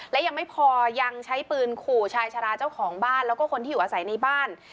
และยังไม่พอยังใช้ปืนขู่ชายชาราเจ้าของบ้านแล้วก็คนที่อยู่อาศัยในบ้าน